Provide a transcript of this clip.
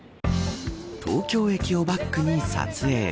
東京駅をバックに撮影。